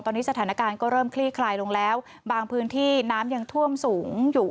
ตอนนี้สถานการณ์ก็เริ่มคลี่คลายลงแล้วบางพื้นที่น้ำยังท่วมสูงอยู่